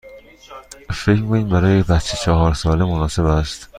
فکر می کنید این برای یک بچه چهار ساله مناسب است؟